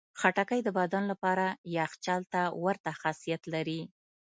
خټکی د بدن لپاره یخچال ته ورته خاصیت لري.